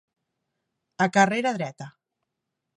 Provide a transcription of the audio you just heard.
A carrera dreta.